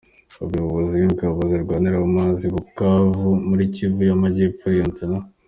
Umuyobozi w’Ingabo zirwanira mu mazi i Bukavu muri Kivu y’Amajyepfo, Lt.